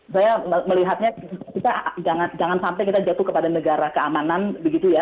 saya melihatnya kita jangan sampai kita jatuh kepada negara keamanan begitu ya